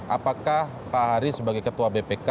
apakah pak hari sebagai ketua bpk